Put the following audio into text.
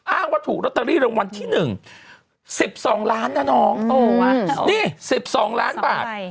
อ้างว่าถูกลอตเตอรี่รางวัลที่๑๑๒ล้านนะน้องนี่๑๒ล้านบาท